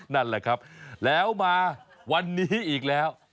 นั่นแหละครับแล้วมาวันนี้อีกแล้ว